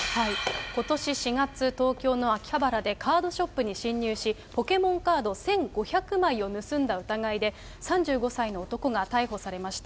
ことし４月、東京の秋葉原でカードショップに侵入し、ポケモンカード１５００枚を盗んだ疑いで、３５歳の男が逮捕されました。